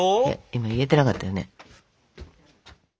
今言えてなかったよね。